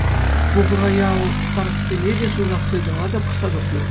Пухура ял старостине те суйлас ыйтӑва та пӑхса тухнӑ.